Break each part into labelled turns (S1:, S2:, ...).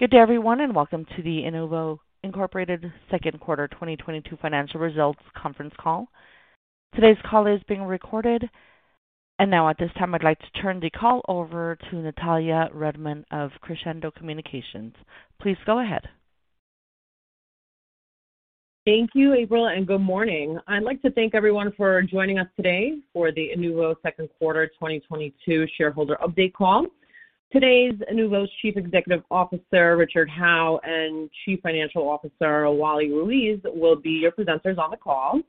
S1: Good day everyone, and welcome to the Inuvo, Inc. Q2 2022 Financial Results Conference Call. Today's call is being recorded. Now at this time, I'd like to turn the call over to Natalya Rudman of Crescendo Communications. Please go ahead.
S2: Thank you, April, and good morning. I'd like to thank everyone for joining us today for the Inuvo Q2 2022 shareholder update call. Today, Inuvo's Chief Executive Officer, Richard Howe, and Chief Financial Officer, Wally Ruiz, will be your presenters on the call.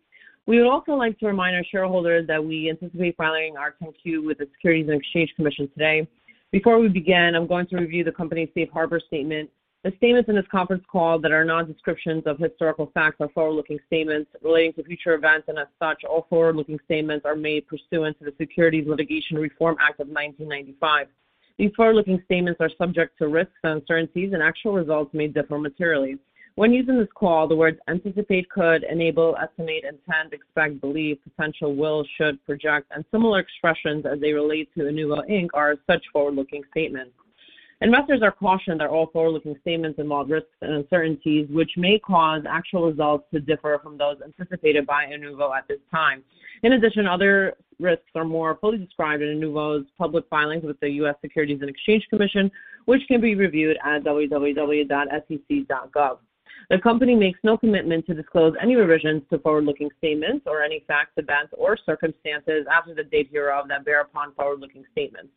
S2: We would also like to remind our shareholders that we anticipate filing our 10-Q with the Securities and Exchange Commission today. Before we begin, I'm going to review the company's safe harbor statement. The statements in this conference call that are not descriptions of historical facts are forward-looking statements relating to future events, and as such, all forward-looking statements are made pursuant to the Private Securities Litigation Reform Act of 1995. These forward-looking statements are subject to risks and uncertainties, and actual results may differ materially. When using this call, the words anticipate, could, enable, estimate, intend, expect, believe, potential, will, should, project, and similar expressions as they relate to Inuvo, Inc. are such forward-looking statements. Investors are cautioned that all forward-looking statements involve risks and uncertainties, which may cause actual results to differ from those anticipated by Inuvo at this time. In addition, other risks are more fully described in Inuvo's public filings with the U.S. Securities and Exchange Commission, which can be reviewed at www.sec.gov. The company makes no commitment to disclose any revisions to forward-looking statements or any facts, events, or circumstances after the date hereof that bear upon forward-looking statements.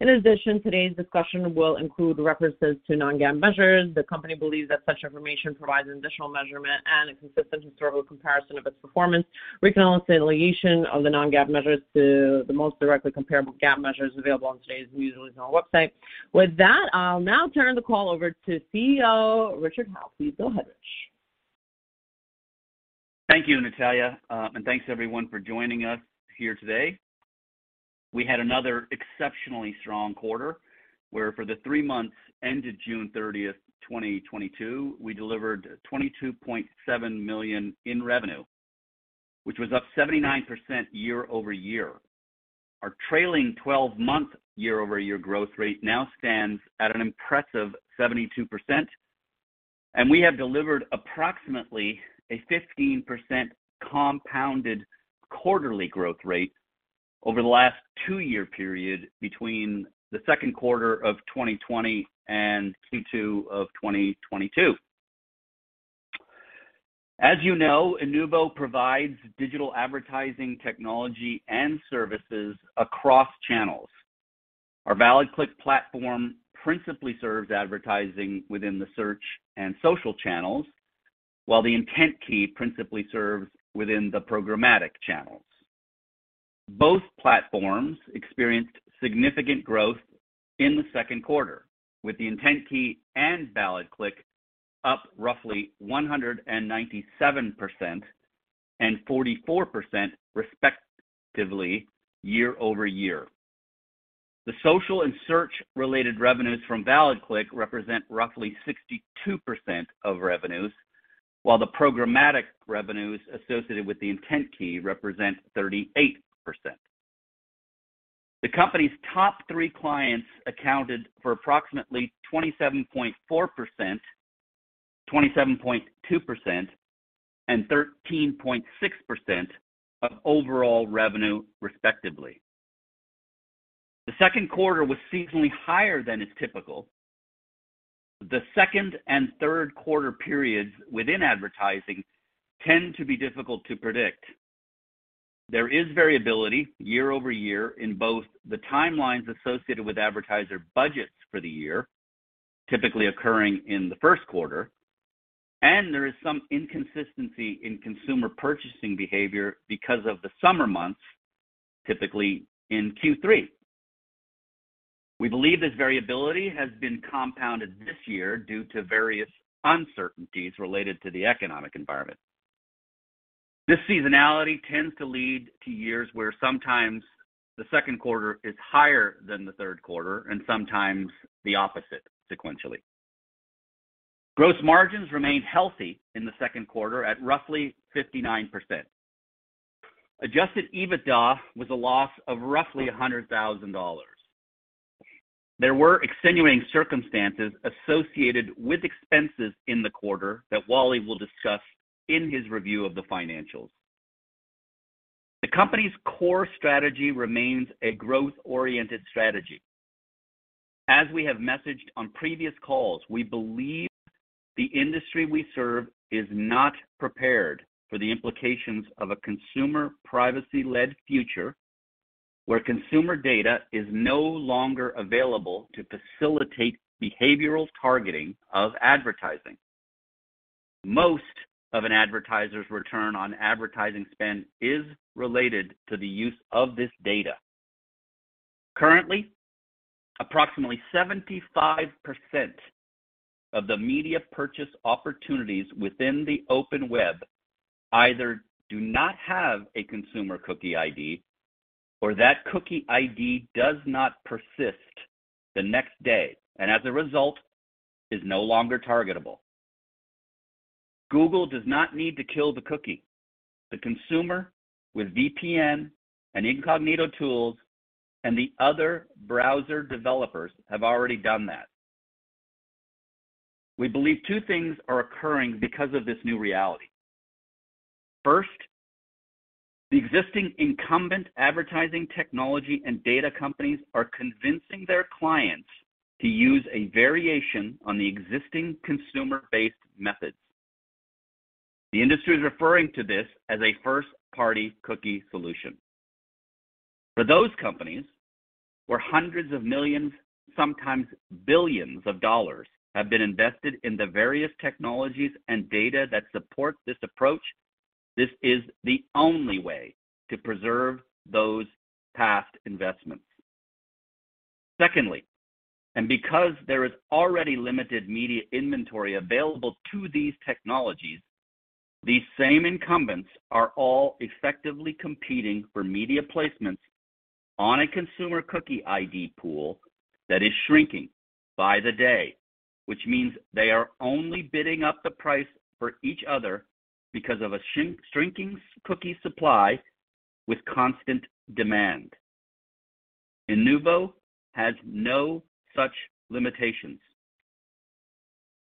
S2: In addition, today's discussion will include references to non-GAAP measures. The company believes that such information provides additional measurement and a consistent historical comparison of its performance. Reconciliation of the non-GAAP measures to the most directly comparable GAAP measures available on today's news release on our website. With that, I'll now turn the call over to CEO Richard Howe. Please go ahead, Rich.
S3: Thank you, Natalia, and thanks everyone for joining us here today. We had another exceptionally strong quarter where for the three months ended June 30, 2022, we delivered $22.7 million in revenue, which was up 79% year-over-year. Our trailing-twelve-month year-over-year growth rate now stands at an impressive 72%, and we have delivered approximately a 15% compounded quarterly growth rate over the last two-year period between the Q2 of 2020 and Q2 of 2022. As you know, Inuvo provides digital advertising technology and services across channels. Our ValidClick platform principally serves advertising within the search and social channels, while the IntentKey principally serves within the programmatic channels. Both platforms experienced significant growth in the Q2 with the IntentKey and ValidClick up roughly 197% and 44%, respectively, year-over-year. The social and search-related revenues from ValidClick represent roughly 62% of revenues, while the programmatic revenues associated with the IntentKey represent 38%. The company's top three clients accounted for approximately 27.4%, 27.2%, and 13.6% of overall revenue, respectively. The Q2 was seasonally higher than is typical. The Q2 and Q3 periods within advertising tend to be difficult to predict. There is variability year-over-year in both the timelines associated with advertiser budgets for the year, typically occurring in the Q1, and there is some inconsistency in consumer purchasing behavior because of the summer months, typically in Q3. We believe this variability has been compounded this year due to various uncertainties related to the economic environment. This seasonality tends to lead to years where sometimes the Q2 is higher than the Q3 and sometimes the opposite sequentially. Gross margins remain healthy in the Q2 at roughly 59%. Adjusted EBITDA was a loss of roughly $100,000. There were extenuating circumstances associated with expenses in the quarter that Wally will discuss in his review of the financials. The company's core strategy remains a growth-oriented strategy. As we have messaged on previous calls, we believe the industry we serve is not prepared for the implications of a consumer privacy-led future where consumer data is no longer available to facilitate behavioral targeting of advertising. Most of an advertiser's return on advertising spend is related to the use of this data. Currently, approximately 75% of the media purchase opportunities within the open web either do not have a consumer cookie ID or that cookie ID does not persist the next day, and as a result is no longer targetable. Google does not need to kill the cookie. The consumer with VPN and incognito tools and the other browser developers have already done that. We believe two things are occurring because of this new reality. First, the existing incumbent advertising technology and data companies are convincing their clients to use a variation on the existing consumer-based methods. The industry is referring to this as a first-party cookie solution. For those companies where hundreds of millions, sometimes billions of dollars, have been invested in the various technologies and data that support this approach, this is the only way to preserve those past investments. Secondly, because there is already limited media inventory available to these technologies, these same incumbents are all effectively competing for media placements on a consumer cookie ID pool that is shrinking by the day, which means they are only bidding up the price for each other because of a shrinking cookie supply with constant demand. Inuvo has no such limitations.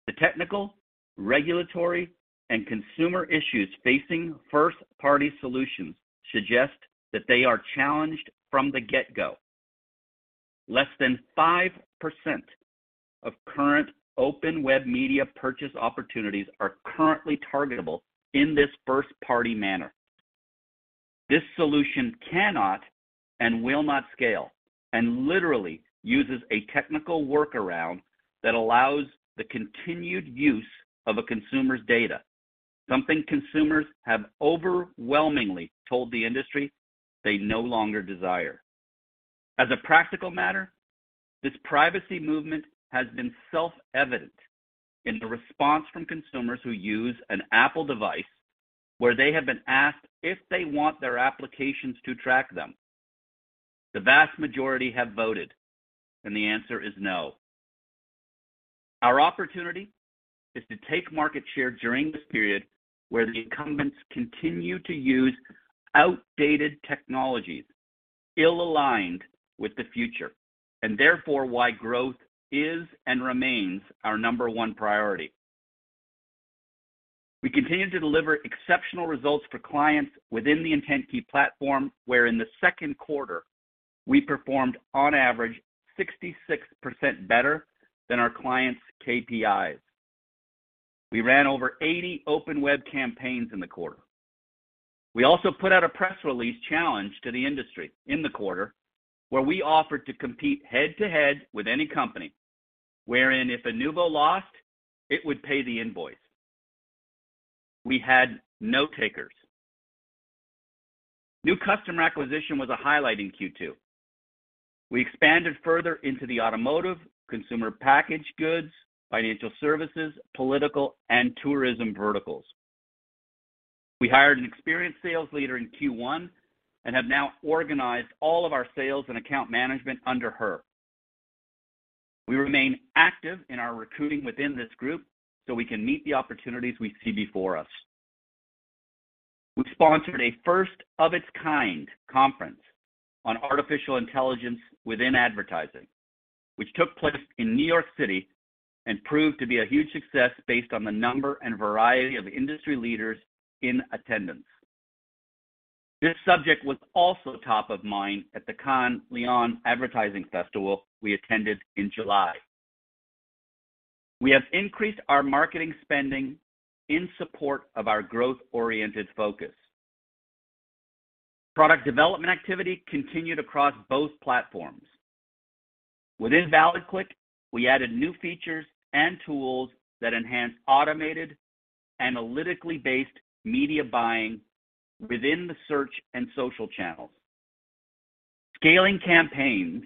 S3: The technical, regulatory, and consumer issues facing first-party solutions suggest that they are challenged from the get-go. Less than 5% of current open web media purchase opportunities are currently targetable in this first-party manner. This solution cannot and will not scale and literally uses a technical workaround that allows the continued use of a consumer's data, something consumers have overwhelmingly told the industry they no longer desire. As a practical matter, this privacy movement has been self-evident in the response from consumers who use an Apple device where they have been asked if they want their applications to track them. The vast majority have voted, and the answer is no. Our opportunity is to take market share during this period where the incumbents continue to use outdated technologies, ill-aligned with the future, and therefore why growth is and remains our number one priority. We continue to deliver exceptional results for clients within the IntentKey platform, where in the Q2 we performed on average 66% better than our clients' KPIs. We ran over 80 open web campaigns in the quarter. We also put out a press release challenge to the industry in the quarter where we offered to compete head-to-head with any company, wherein if Inuvo lost, it would pay the invoice. We had no takers. New customer acquisition was a highlight in Q2. We expanded further into the automotive, consumer packaged goods, financial services, political, and tourism verticals. We hired an experienced sales leader in Q1 and have now organized all of our sales and account management under her. We remain active in our recruiting within this group so we can meet the opportunities we see before us. We sponsored a first-of-its-kind conference on artificial intelligence within advertising, which took place in New York City and proved to be a huge success based on the number and variety of industry leaders in attendance. This subject was also top of mind at the Cannes Lions Advertising Festival we attended in July. We have increased our marketing spending in support of our growth-oriented focus. Product development activity continued across both platforms. Within ValidClick, we added new features and tools that enhance automated, analytically based media buying within the search and social channels. Scaling campaigns,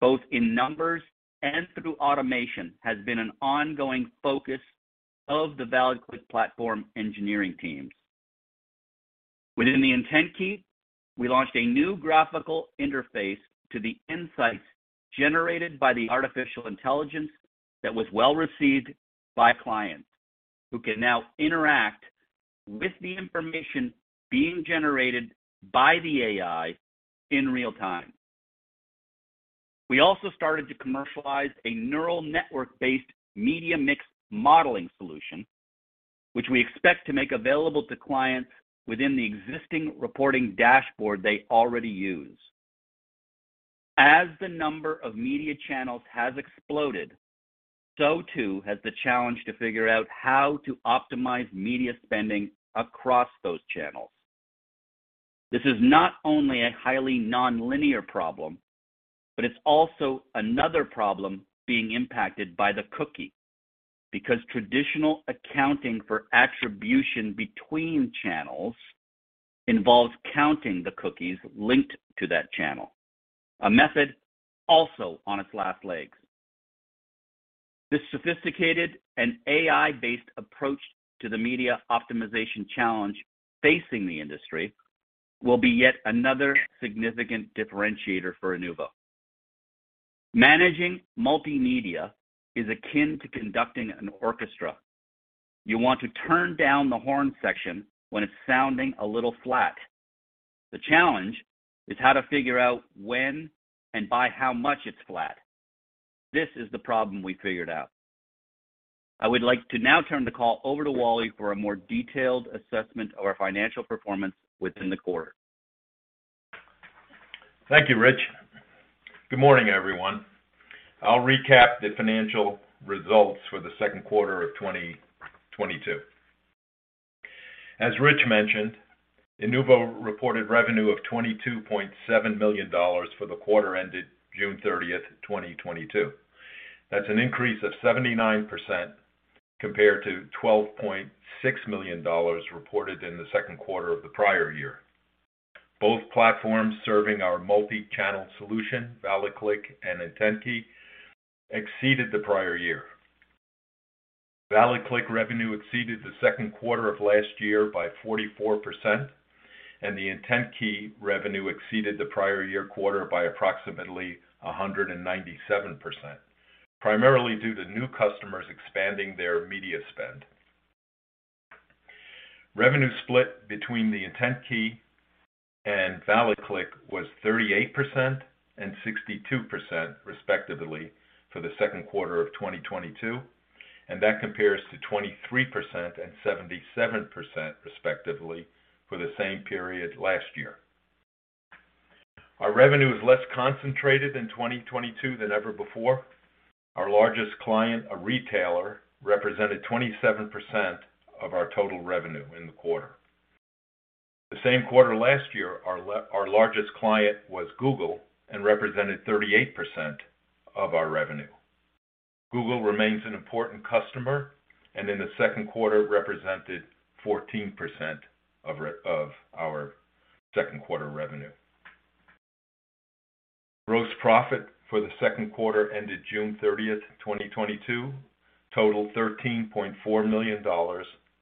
S3: both in numbers and through automation, has been an ongoing focus of the ValidClick platform engineering teams. Within the IntentKey, we launched a new graphical interface to the insights generated by the artificial intelligence that was well-received by clients who can now interact with the information being generated by the AI in real time. We also started to commercialize a neural network-based media mix modeling solution, which we expect to make available to clients within the existing reporting dashboard they already use. As the number of media channels has exploded, so too has the challenge to figure out how to optimize media spending across those channels. This is not only a highly nonlinear problem, but it's also another problem being impacted by the cookie because traditional accounting for attribution between channels involves counting the cookies linked to that channel, a method also on its last legs. This sophisticated and AI-based approach to the media optimization challenge facing the industry will be yet another significant differentiator for Inuvo. Managing multimedia is akin to conducting an orchestra. You want to turn down the horn section when it's sounding a little flat. The challenge is how to figure out when and by how much it's flat. This is the problem we figured out. I would like to now turn the call over to Wally for a more detailed assessment of our financial performance within the quarter.
S4: Thank you, Rich. Good morning, everyone. I'll recap the financial results for the Q2 of 2022. As Rich mentioned, Inuvo reported revenue of $22.7 million for the quarter ended June 30, 2022. That's an increase of 79% compared to $12.6 million reported in the Q2 of the prior year. Both platforms serving our multi-channel solution, ValidClick and IntentKey, exceeded the prior year. ValidClick revenue exceeded the Q2 of last year by 44%, and the IntentKey revenue exceeded the prior year quarter by approximately 197%, primarily due to new customers expanding their media spend. Revenue split between the IntentKey and ValidClick was 38% and 62%, respectively, for the Q2 of 2022, and that compares to 23% and 77%, respectively, for the same period last year. Our revenue is less concentrated in 2022 than ever before. Our largest client, a retailer, represented 27% of our total revenue in the quarter. The same quarter last year, our largest client was Google and represented 38% of our revenue. Google remains an important customer, and in the Q2 represented 14% of our Q2 revenue. Gross profit for the Q2 ended June 30, 2022 totaled $13.4 million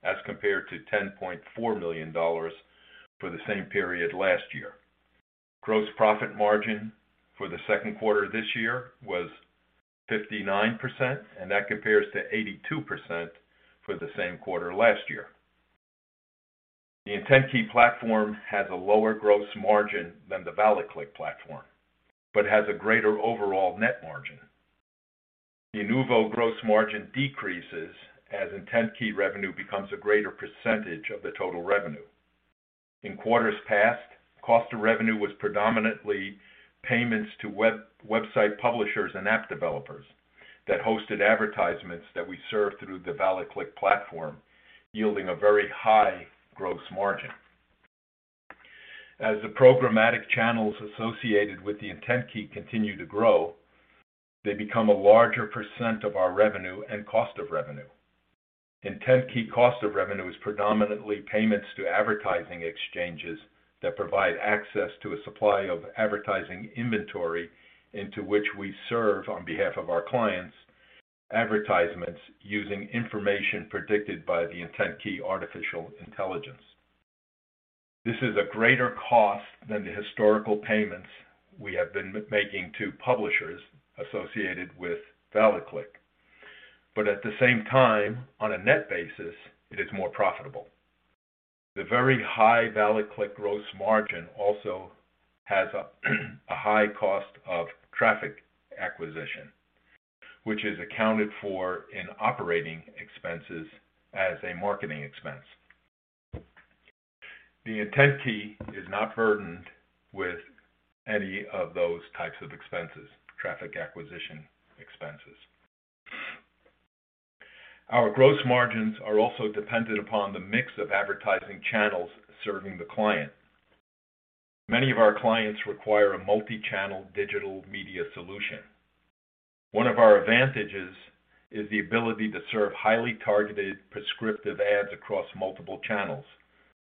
S4: as compared to $10.4 million for the same period last year. Gross profit margin for the Q2 this year was 59%, and that compares to 82% for the same quarter last year. The IntentKey platform has a lower gross margin than the ValidClick platform but has a greater overall net margin. The Inuvo gross margin decreases as IntentKey revenue becomes a greater percentage of the total revenue. In quarters past, cost of revenue was predominantly payments to website publishers and app developers that hosted advertisements that we serve through the ValidClick platform, yielding a very high gross margin. As the programmatic channels associated with the IntentKey continue to grow, they become a larger percent of our revenue and cost of revenue. IntentKey cost of revenue is predominantly payments to advertising exchanges that provide access to a supply of advertising inventory into which we serve on behalf of our clients advertisements using information predicted by the IntentKey artificial intelligence. This is a greater cost than the historical payments we have been making to publishers associated with ValidClick. At the same time, on a net basis, it is more profitable. The very high ValidClick gross margin also has a high cost of traffic acquisition, which is accounted for in operating expenses as a marketing expense. The IntentKey is not burdened with any of those types of expenses, traffic acquisition expenses. Our gross margins are also dependent upon the mix of advertising channels serving the client. Many of our clients require a multi-channel digital media solution. One of our advantages is the ability to serve highly targeted prescriptive ads across multiple channels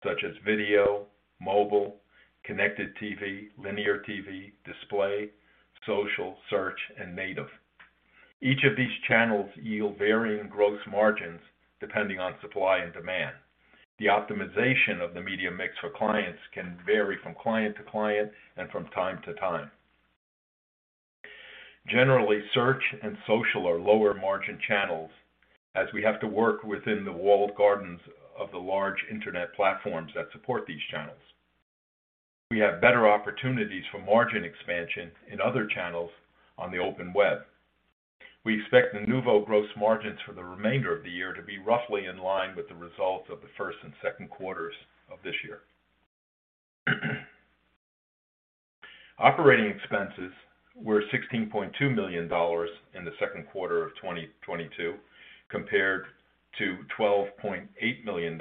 S4: such as video, mobile, Connected TV, Linear TV, display, social, search, and native. Each of these channels yield varying gross margins depending on supply and demand. The optimization of the media mix for clients can vary from client to client and from time to time. Generally, search and social are lower margin channels as we have to work within the walled gardens of the large internet platforms that support these channels. We have better opportunities for margin expansion in other channels on the open web. We expect the Inuvo gross margins for the remainder of the year to be roughly in line with the results of the Q1 and Q2 of this year. Operating expenses were $16.2 million in the Q2 of 2022, compared to $12.8 million in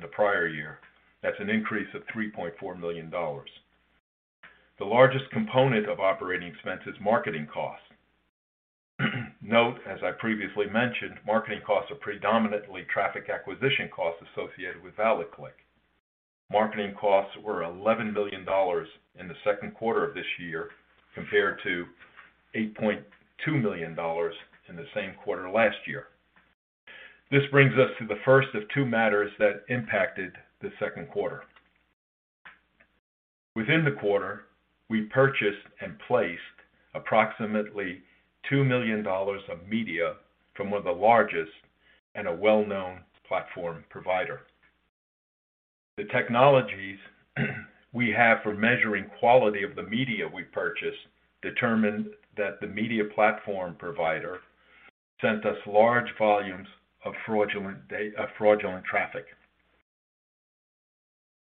S4: the prior year. That's an increase of $3.4 million. The largest component of operating expense is marketing costs. Note, as I previously mentioned, marketing costs are predominantly traffic acquisition costs associated with ValidClick. Marketing costs were $11 million in the Q2 of this year, compared to $8.2 million in the same quarter last year. This brings us to the first of two matters that impacted the Q2. within the quarter, we purchased and placed approximately $2 million of media from one of the largest and a well-known platform provider. The technologies we have for measuring quality of the media we purchased determined that the media platform provider sent us large volumes of fraudulent traffic.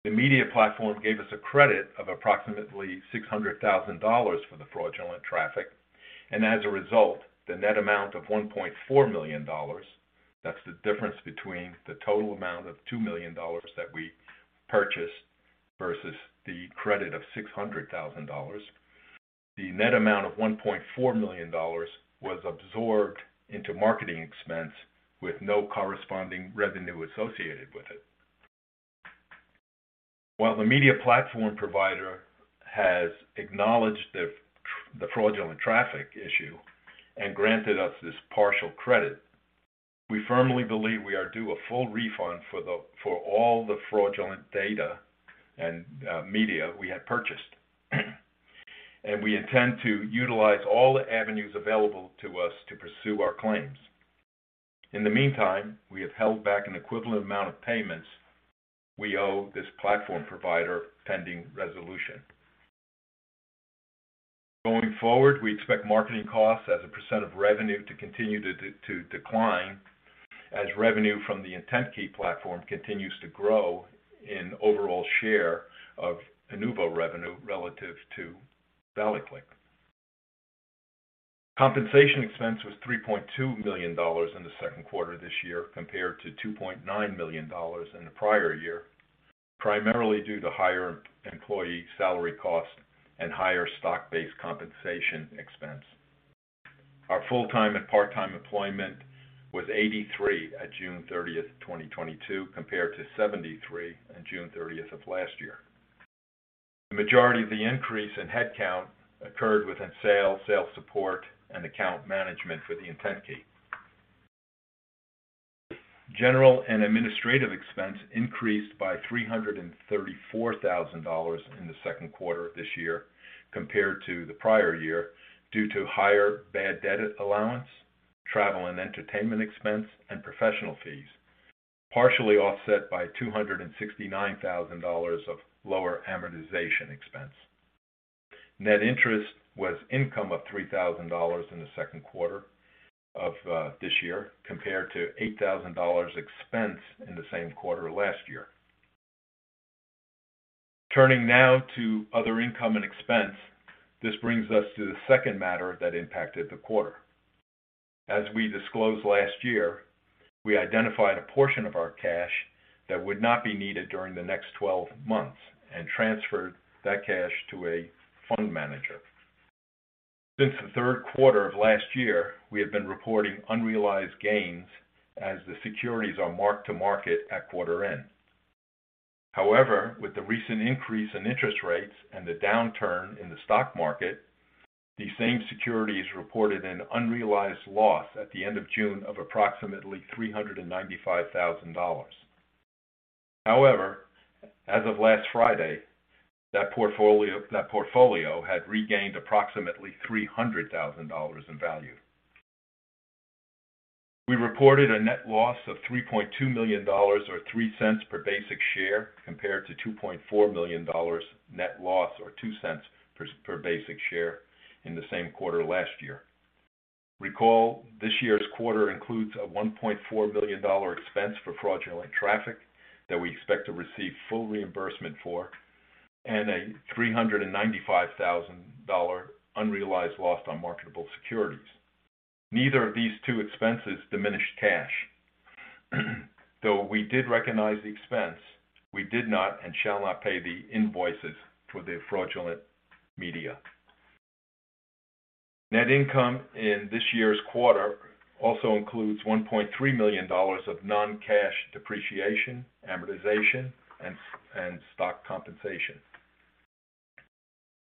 S4: The media platform gave us a credit of approximately $600,000 for the fraudulent traffic, and as a result, the net amount of $1.4 million, that's the difference between the total amount of $2 million that we purchased versus the credit of $600,000. The net amount of $1.4 million was absorbed into marketing expense with no corresponding revenue associated with it. While the media platform provider has acknowledged the fraudulent traffic issue and granted us this partial credit, we firmly believe we are due a full refund for all the fraudulent data and media we had purchased. We intend to utilize all the avenues available to us to pursue our claims. In the meantime, we have held back an equivalent amount of payments we owe this platform provider pending resolution. Going forward, we expect marketing costs as a percent of revenue to continue to decline as revenue from the IntentKey platform continues to grow in overall share of Inuvo revenue relative to ValidClick. Compensation expense was $3.2 million in the Q2 this year, compared to $2.9 million in the prior year, primarily due to higher employee salary costs and higher stock-based compensation expense. Our full-time and part-time employment was 83 at June 30, 2022, compared to 73 on June 30 of last year. The majority of the increase in headcount occurred within sales support, and account management for the IntentKey. General and administrative expense increased by $334,000 in the Q2 of this year compared to the prior year due to higher bad debt allowance, travel and entertainment expense, and professional fees, partially offset by $269,000 of lower amortization expense. Net interest was income of $3,000 in the Q2 of this year, compared to $8,000 expense in the same quarter last year. Turning now to other income and expense, this brings us to the second matter that impacted the quarter. As we disclosed last year, we identified a portion of our cash that would not be needed during the next 12 months and transferred that cash to a fund manager. Since the Q3 of last year, we have been reporting unrealized gains as the securities are marked to market at quarter end. However, with the recent increase in interest rates and the downturn in the stock market, these same securities reported an unrealized loss at the end of June of approximately $395,000. However, as of last Friday, that portfolio had regained approximately $300 thousand in value. We reported a net loss of $3.2 million, or $0.03 per basic share, compared to $2.4 million net loss, or $0.02 per basic share in the same quarter last year. Recall, this year's quarter includes a $1.4 billion expense for fraudulent traffic that we expect to receive full reimbursement for and a $395 thousand unrealized loss on marketable securities. Neither of these two expenses diminished cash. Though we did recognize the expense, we did not and shall not pay the invoices for the fraudulent media. Net income in this year's quarter also includes $1.3 million of non-cash depreciation, amortization, and stock compensation.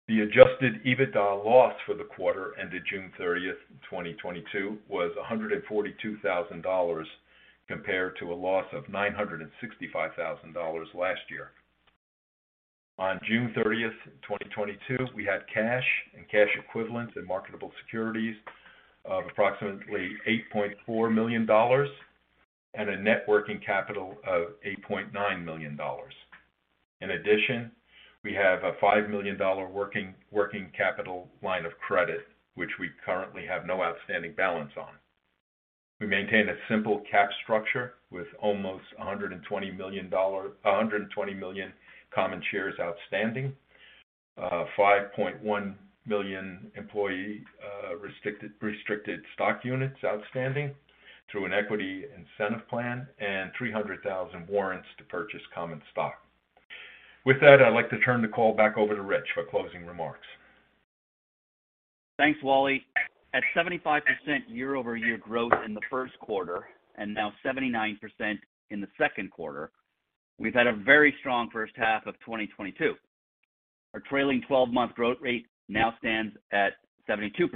S4: The adjusted EBITDA loss for the quarter ended June 30, 2022, was $142,000, compared to a loss of $965,000 last year. On June 30, 2022, we had cash and cash equivalents in marketable securities of approximately $8.4 million and a net working capital of $8.9 million. In addition, we have a $5 million working capital line of credit, which we currently have no outstanding balance on. We maintain a simple cap structure with almost 120 million common shares outstanding, 5.1 million employee restricted stock units outstanding through an equity incentive plan, and 300,000 warrants to purchase common stock. With that, I'd like to turn the call back over to Rich for closing remarks.
S3: Thanks, Wally. At 75% year-over-year growth in the Q1, and now 79% in the Q2, we've had a very strong first half of 2022. Our trailing twelve-month growth rate now stands at 72%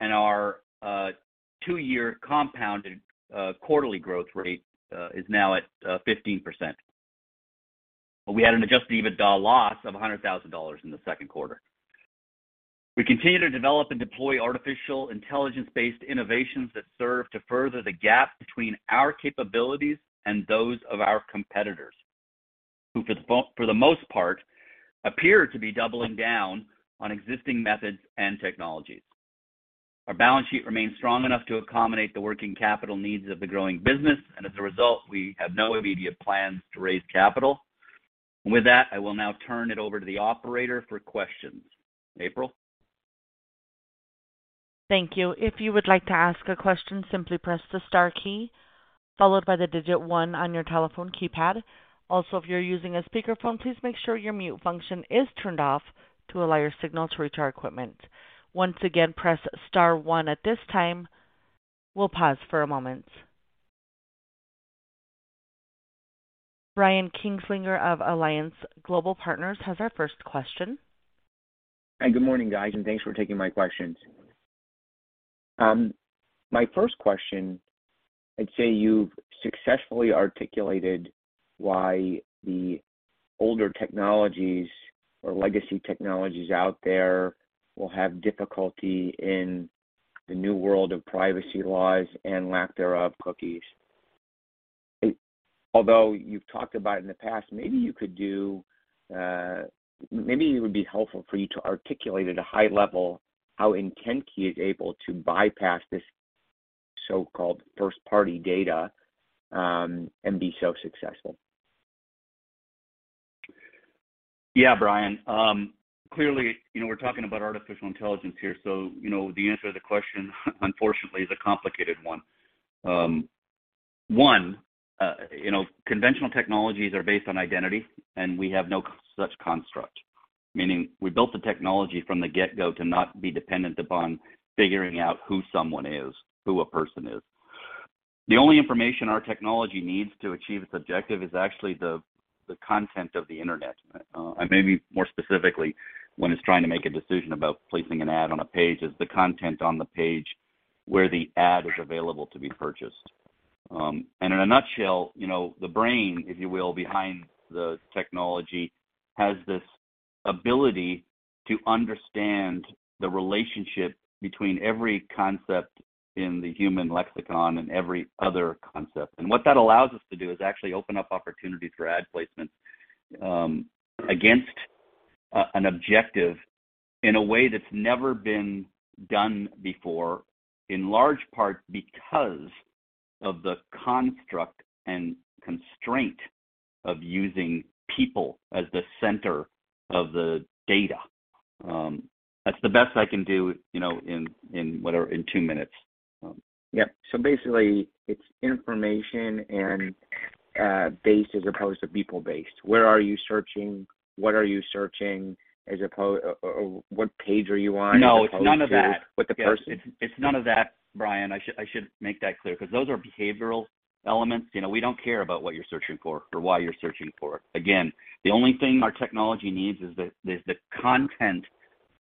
S3: and our two-year compounded quarterly growth rate is now at 15%. We had an adjusted EBITDA loss of $100,000 in the Q2. We continue to develop and deploy artificial intelligence-based innovations that serve to further the gap between our capabilities and those of our competitors, who for the most part, appear to be doubling down on existing methods and technologies. Our balance sheet remains strong enough to accommodate the working capital needs of the growing business, and as a result, we have no immediate plans to raise capital. With that, I will now turn it over to the operator for questions. April?
S1: Thank you. If you would like to ask a question, simply press the star key followed by the digit one on your telephone keypad. Also, if you're using a speaker phone, please make sure your mute function is turned off to allow your signal to reach our equipment. Once again, press star one at this time. We'll pause for a moment. Brian Kinstlinger of Alliance Global Partners has our first question.
S5: Hi, good morning, guys, and thanks for taking my questions. My first question, I'd say you've successfully articulated why the older technologies or legacy technologies out there will have difficulty in the new world of privacy laws and lack of third-party cookies. Maybe it would be helpful for you to articulate at a high level how IntentKey is able to bypass this so-called third-party data and be so successful.
S3: Yeah, Brian. Clearly, you know, we're talking about artificial intelligence here, so you know, the answer to the question unfortunately is a complicated one. You know, conventional technologies are based on identity, and we have no such construct. Meaning, we built the technology from the get-go to not be dependent upon figuring out who someone is, who a person is. The only information our technology needs to achieve its objective is actually the content of the Internet. And maybe more specifically, when it's trying to make a decision about placing an ad on a page is the content on the page where the ad is available to be purchased. And in a nutshell, you know, the brain, if you will, behind the technology has this ability to understand the relationship between every concept in the human lexicon and every other concept. What that allows us to do is actually open up opportunities for ad placements, against, an objective in a way that's never been done before, in large part because of the construct and constraint of using people as the center of the data. That's the best I can do, you know, in whatever in two minutes.
S5: Yeah. Basically it's information-based as opposed to people-based. Where are you searching? What are you searching, or what page are you on as opposed to
S3: No, it's none of that.
S5: With the person.
S3: It's none of that, Brian. I should make that clear, 'cause those are behavioral elements. You know, we don't care about what you're searching for or why you're searching for it. Again, the only thing our technology needs is the content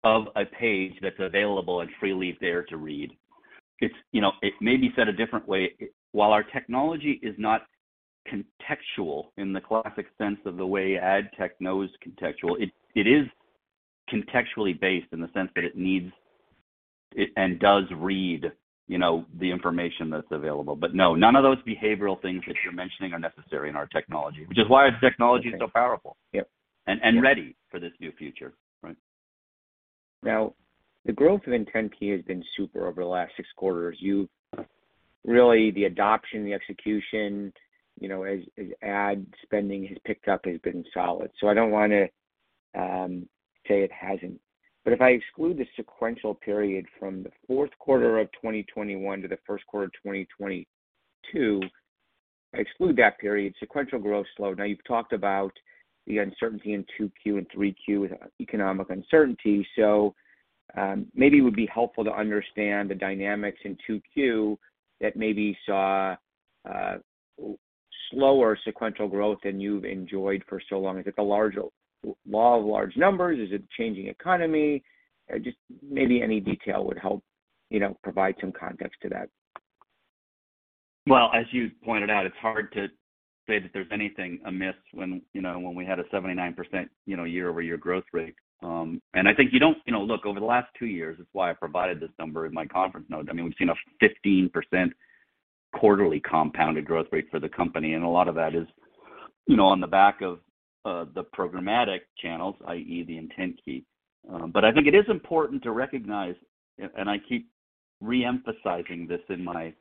S3: of a page that's available and freely there to read. You know, it may be said a different way. While our technology is not contextual in the classic sense of the way ad tech knows contextual, it is contextually based in the sense that it needs and does read, you know, the information that's available. But no, none of those behavioral things that you're mentioning are necessary in our technology, which is why our technology is so powerful.
S5: Yep.
S3: Ready for this new future. Right.
S5: Now, the growth of IntentKey has been super over the last six quarters. You've really the adoption, the execution, you know, as ad spending has picked up has been solid. I don't wanna say it hasn't. If I exclude the sequential period from the Q4 of 2021 to the Q1 of 2022, I exclude that period, sequential growth slowed. Now, you've talked about the uncertainty in 2Q and 3Q with economic uncertainty. Maybe it would be helpful to understand the dynamics in 2Q that maybe saw slower sequential growth than you've enjoyed for so long. Is it the law of large numbers? Is it changing economy? Just maybe any detail would help, you know, provide some context to that.
S3: Well, as you pointed out, it's hard to say that there's anything amiss when, you know, when we had a 79% year-over-year growth rate. You know, look, over the last two years, that's why I provided this number in my conference note. I mean, we've seen a 15% quarterly compounded growth rate for the company, and a lot of that is, you know, on the back of the programmatic channels, i.e., the IntentKey. I think it is important to recognize, and I keep re-emphasizing this in my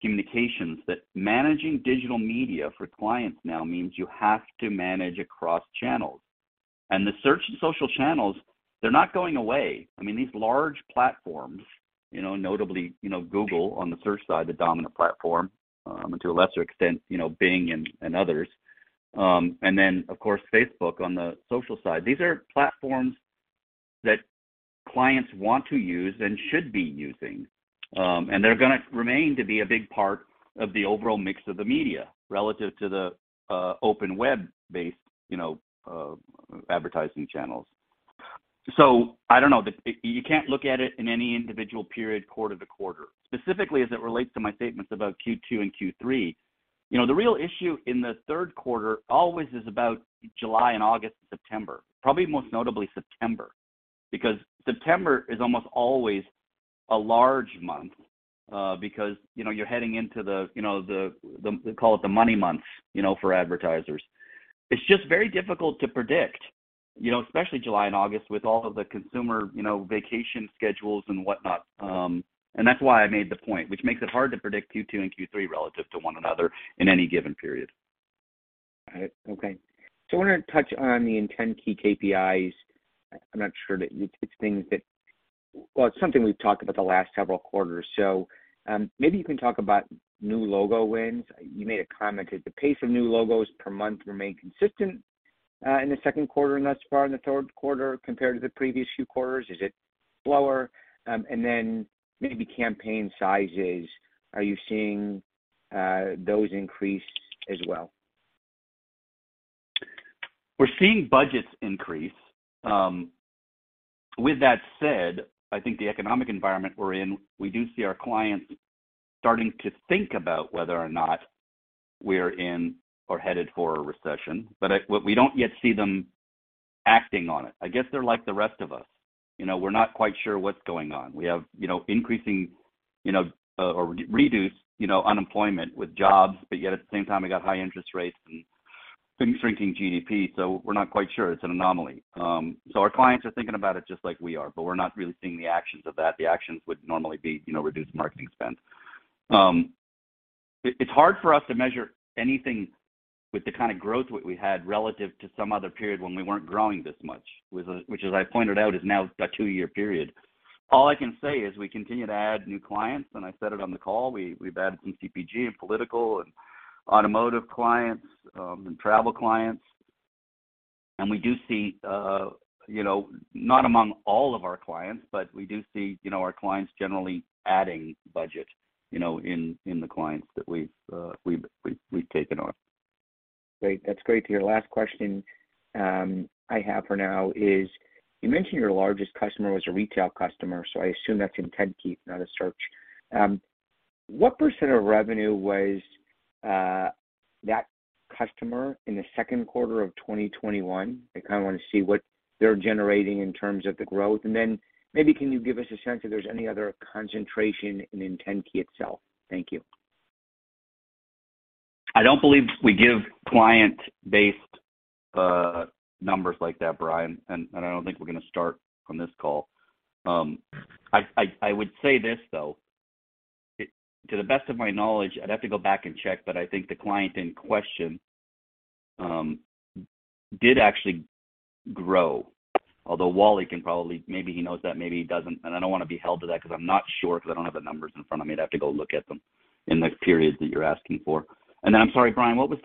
S3: communications, that managing digital media for clients now means you have to manage across channels. The search and social channels, they're not going away. I mean, these large platforms, you know, notably, you know, Google on the search side, the dominant platform, and to a lesser extent, you know, Bing and others. Of course Facebook on the social side. These are platforms that clients want to use and should be using. They're gonna remain to be a big part of the overall mix of the media relative to the open web-based, you know, advertising channels. I don't know, you can't look at it in any individual period quarter to quarter. Specifically as it relates to my statements about Q2 and Q3, you know, the real issue in the Q3 always is about July and August and September, probably most notably September. Because September is almost always a large month, because, you know, you're heading into the, you know, the-- call it the money months, you know, for advertisers. It's just very difficult to predict, you know, especially July and August with all of the consumer, you know, vacation schedules and whatnot, and that's why I made the point, which makes it hard to predict Q2 and Q3 relative to one another in any given period.
S5: Got it. Okay. I wanna touch on the IntentKey KPIs. Well, it's something we've talked about the last several quarters. Maybe you can talk about new logo wins. You made a comment that the pace of new logos per month remained consistent in the Q2 and thus far in the Q3 compared to the previous few quarters. Is it slower? And then maybe campaign sizes, are you seeing those increase as well?
S3: We're seeing budgets increase. With that said, I think the economic environment we're in, we do see our clients starting to think about whether or not we're in or headed for a recession. What we don't yet see them acting on it. I guess they're like the rest of us. You know, we're not quite sure what's going on. We have, you know, increasing, you know, or reduced, you know, unemployment with jobs, but yet at the same time, we got high interest rates and shrinking GDP, so we're not quite sure. It's an anomaly. Our clients are thinking about it just like we are, but we're not really seeing the actions of that. The actions would normally be, you know, reduced marketing spend. It's hard for us to measure anything with the kind of growth we had relative to some other period when we weren't growing this much, which as I pointed out, is now a two-year period. All I can say is we continue to add new clients, and I said it on the call. We've added some CPG and political and automotive clients, and travel clients. We do see, you know, not among all of our clients, but we do see, you know, our clients generally adding budget, you know, in the clients that we've taken on.
S5: Great. That's great to hear. Last question I have for now is you mentioned your largest customer was a retail customer, so I assume that's IntentKey, not a search. What % of revenue was that customer in the Q2 of 2021? I kind of want to see what they're generating in terms of the growth. Maybe can you give us a sense if there's any other concentration in IntentKey itself? Thank you.
S3: I don't believe we give client-based numbers like that, Brian, and I don't think we're gonna start on this call. I would say this, though. To the best of my knowledge, I'd have to go back and check, but I think the client in question did actually grow. Although Wally can probably. Maybe he knows that, maybe he doesn't, and I don't wanna be held to that because I'm not sure because I don't have the numbers in front of me. I'd have to go look at them in the periods that you're asking for. Then I'm sorry, Brian, what was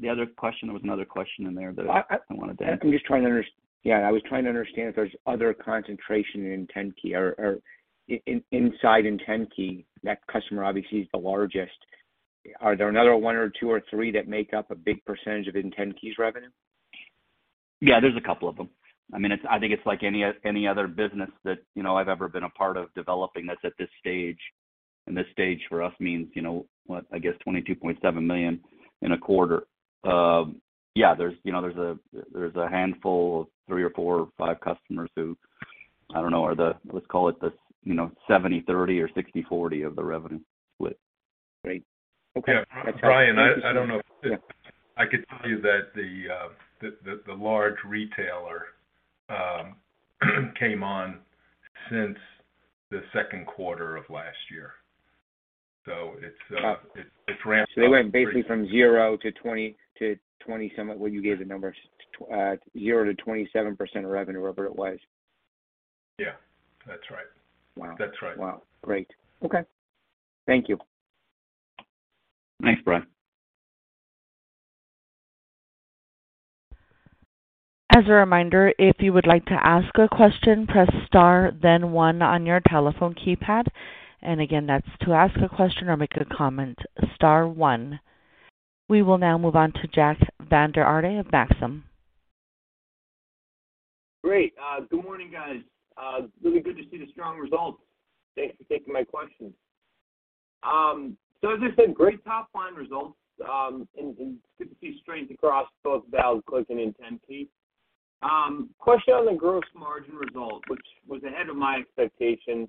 S3: the other question? There was another question in there that I wanted to answer.
S5: Yeah, I was trying to understand if there's other concentration in IntentKey or inside IntentKey. That customer obviously is the largest. Are there another one or two or three that make up a big percentage of IntentKey's revenue?
S3: Yeah, there's a couple of them. I mean, it's like any other business that, you know, I've ever been a part of developing that's at this stage, and this stage for us means, you know, what I guess $22.7 million in a quarter. Yeah, there's a handful of 3 or 4 or 5 customers who, I don't know, are the, let's call it the, you know, 70/30 or 60/40 of the revenue split.
S5: Great. Okay.
S4: Yeah. Brian, I don't know if I could tell you that the large retailer came on since the Q2 of last year. It's ramped up pretty-
S5: It went basically from 0 to 20 to 20-some, what you gave the numbers, 0 to 27% of revenue, whatever it was.
S4: Yeah, that's right.
S5: Wow.
S4: That's right.
S5: Wow. Great. Okay. Thank you.
S3: Thanks, Brian.
S1: As a reminder, if you would like to ask a question, press star then one on your telephone keypad. Again, that's to ask a question or make a comment, star one. We will now move on to Jack Vander Aarde of Maxim.
S6: Great. Good morning, guys. Really good to see the strong results. Thanks for taking my questions. So as I said, great top-line results, and good to see strength across both ValidClick and IntentKey. Question on the gross margin results, which was ahead of my expectation.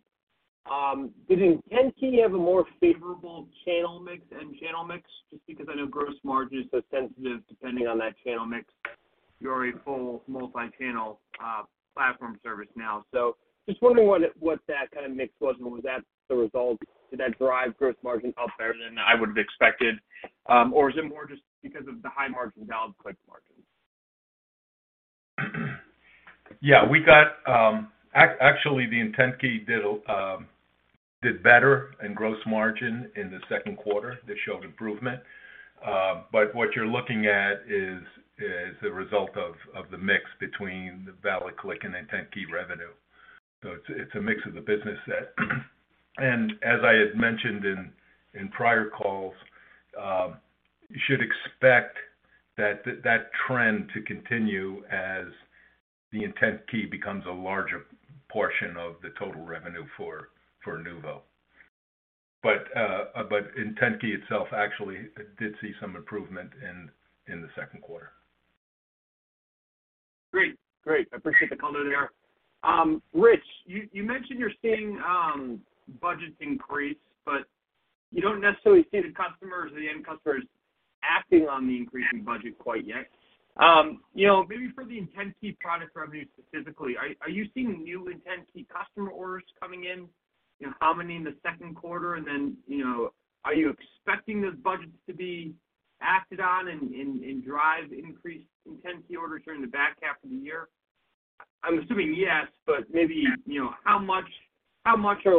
S6: Did IntentKey have a more favorable channel mix? Just because I know gross margins are sensitive depending on that channel mix. You're a full multi-channel platform service now. So just wondering what that kind of mix was and was that the result? Did that drive gross margin up better than I would have expected? Or is it more just because of the high margin ValidClick margins?
S4: Yeah. Actually, the IntentKey did better in gross margin in the Q2. They showed improvement. But what you're looking at is a result of the mix between the ValidClick and IntentKey revenue. It's a mix of the business that. As I had mentioned in prior calls, you should expect that trend to continue as the IntentKey becomes a larger portion of the total revenue for Inuvo. But IntentKey itself actually did see some improvement in the Q2.
S6: Great. I appreciate the color there. Richard, you mentioned you're seeing budgets increase, but you don't necessarily see the customers or the end customers acting on the increasing budget quite yet. You know, maybe for the IntentKey product revenue specifically, are you seeing new IntentKey customer orders coming in? You know, how many in the Q2? You know, are you expecting those budgets to be acted on and drive increased IntentKey orders during the back half of the year? I'm assuming yes, but maybe, you know, how many potential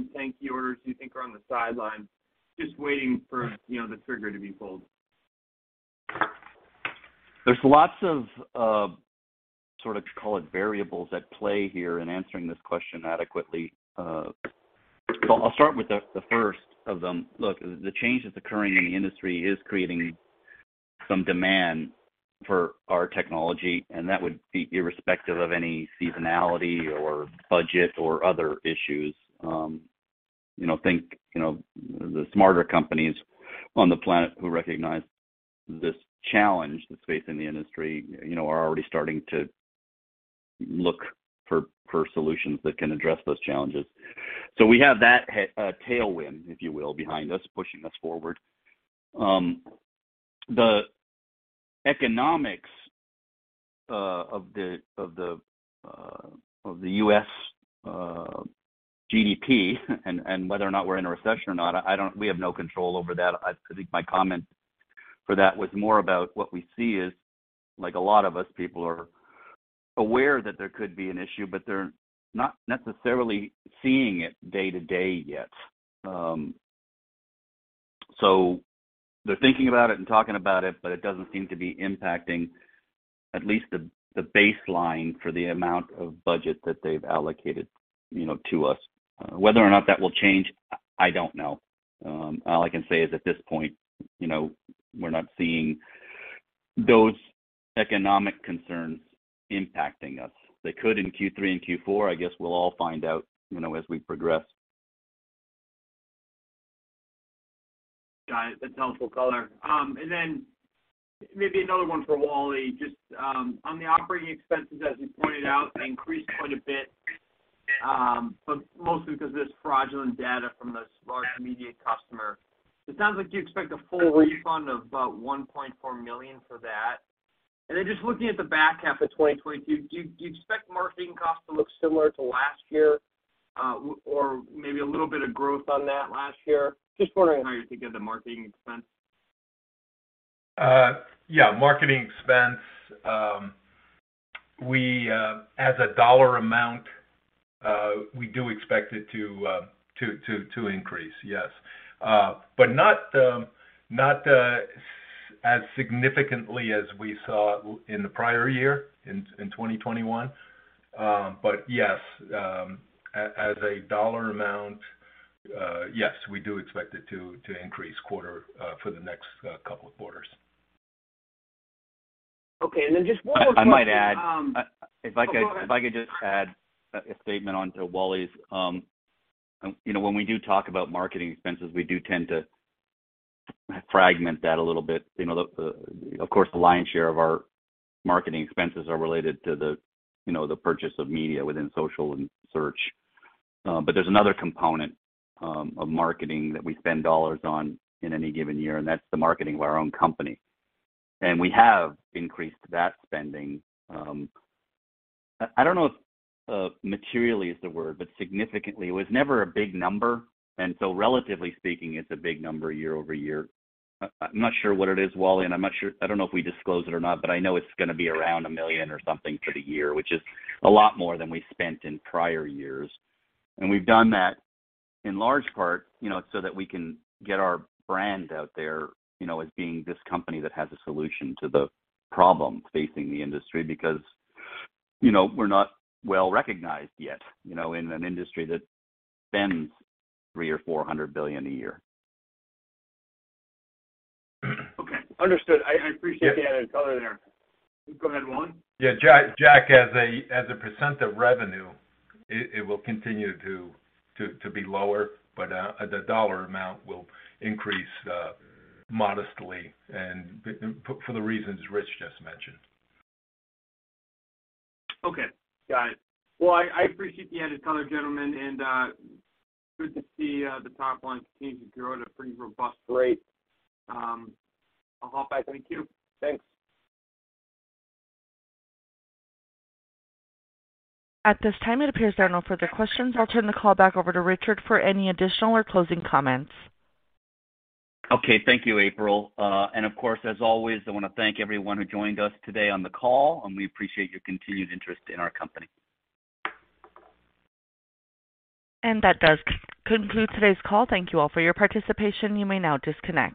S6: IntentKey orders you think are on the sidelines just waiting for, you know, the trigger to be pulled?
S3: There's lots of, sort of, call it variables at play here in answering this question adequately. I'll start with the first of them. Look, the change that's occurring in the industry is creating some demand for our technology, and that would be irrespective of any seasonality or budget or other issues. You know, think, you know, the smarter companies on the planet who recognize this challenge that's facing the industry, you know, are already starting to look for solutions that can address those challenges. We have that tailwind, if you will, behind us, pushing us forward. The economics of the U.S. GDP and whether or not we're in a recession or not, we have no control over that. I think my comment for that was more about what we see is, like a lot of us, people are aware that there could be an issue, but they're not necessarily seeing it day-to-day yet. They're thinking about it and talking about it, but it doesn't seem to be impacting at least the baseline for the amount of budget that they've allocated, you know, to us. Whether or not that will change, I don't know. All I can say is at this point, you know, we're not seeing those economic concerns impacting us. They could in Q3 and Q4. I guess we'll all find out, you know, as we progress.
S6: Got it. That's helpful color. Then maybe another one for Wally. Just on the operating expenses, as you pointed out, they increased quite a bit, but mostly because of this fraudulent data from this large immediate customer. It sounds like you expect a full refund of about $1.4 million for that. Then just looking at the back half of 2022, do you expect marketing costs to look similar to last year, or maybe a little bit of growth on that last year? Just wondering how you think of the marketing expense.
S4: Yeah. Marketing expense, as a dollar amount, we do expect it to increase, yes. Not as significantly as we saw in the prior year in 2021. Yes, as a dollar amount, yes, we do expect it to increase quarter-over-quarter for the next couple of quarters.
S6: Okay. Just one more question.
S3: I might add.
S6: Oh, go ahead.
S3: If I could just add a statement onto Wally's. You know, when we do talk about marketing expenses, we do tend to fragment that a little bit. You know, of course, the lion's share of our marketing expenses are related to the, you know, the purchase of media within social and search. But there's another component of marketing that we spend dollars on in any given year, and that's the marketing of our own company. We have increased that spending. I don't know if materially is the word, but significantly. It was never a big number, and so relatively speaking, it's a big number year-over-year. I'm not sure what it is, Wally, and I'm not sure. I don't know if we disclose it or not, but I know it's gonna be around $1 million or something for the year, which is a lot more than we spent in prior years. We've done that in large part, you know, so that we can get our brand out there, you know, as being this company that has a solution to the problem facing the industry because, you know, we're not well-recognized yet, you know, in an industry that spends $300 billion-$400 billion a year.
S6: Okay. Understood. I appreciate the added color there. Go ahead, Wally.
S4: Yeah. Jack, as a percent of revenue, it will continue to be lower, but the dollar amount will increase modestly, and for the reasons Rich just mentioned.
S6: Okay. Got it. Well, I appreciate the added color, gentlemen, and good to see the top line continue to grow at a pretty robust rate. I'll hop back. Thank you.
S3: Thanks.
S1: At this time, it appears there are no further questions. I'll turn the call back over to Richard for any additional or closing comments.
S3: Okay. Thank you, April. Of course, as always, I wanna thank everyone who joined us today on the call, and we appreciate your continued interest in our company.
S1: That does conclude today's call. Thank you all for your participation. You may now disconnect.